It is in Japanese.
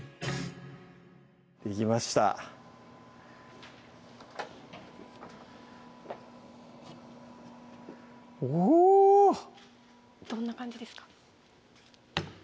できましたおぉどんな感じですか？